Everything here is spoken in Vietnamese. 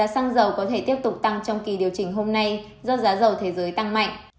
xăng dầu có thể tiếp tục tăng trong kỳ điều chỉnh hôm nay do giá dầu thế giới tăng mạnh